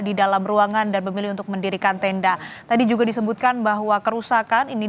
di dalam ruangan dan memilih untuk mendirikan tenda tadi juga disebutkan bahwa kerusakan ini